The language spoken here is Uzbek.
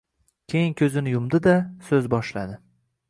Keyin ko`zini yumdi-da, so`z boshladi